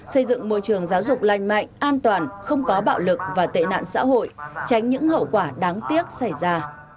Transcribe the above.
xây dựng môi trường giáo dục lành mạnh an toàn không có bạo lực và tệ nạn xã hội tránh những hậu quả đáng tiếc xảy ra